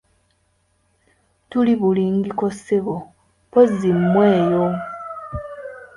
Tuli bulungiko ssebo, mpozzi mmwe eyo?